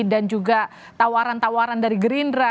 dan juga tawaran tawaran dari gerindra